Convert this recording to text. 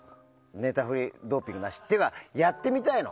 寝たふりドーピングなし。っていうかやってみたいの。